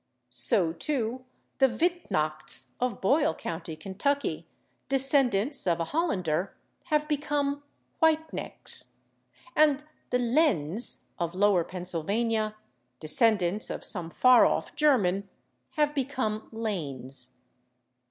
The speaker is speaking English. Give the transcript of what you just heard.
So, too, the /Wittnachts/ of Boyle county, Kentucky, descendants of a Hollander, have become /Whitenecks/, and the /Lehns/ of lower Pennsylvania, descendants of some far off German, have become /Lanes